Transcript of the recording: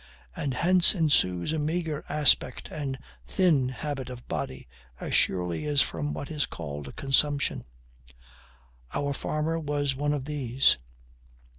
And hence ensues a meager aspect and thin habit of body, as surely as from what is called a consumption. Our farmer was one of these.